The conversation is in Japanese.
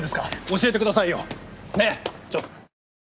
教えてくださいよねぇちょ。